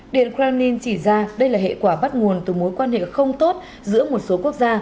điện kremlin chỉ ra đây là hệ quả bắt nguồn từ mối quan hệ không tốt giữa một số quốc gia